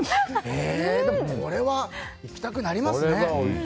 これは行きたくなりますね。